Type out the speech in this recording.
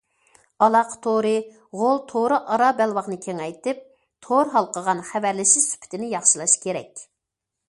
ئالاقە تورى غول تورى ئارا بەلباغنى كېڭەيتىپ، تور ھالقىغان خەۋەرلىشىش سۈپىتىنى ياخشىلاش كېرەك.